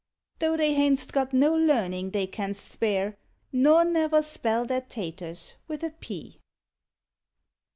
Though they hain tst got no learnin they canst spare Nor never spell their taters with a p.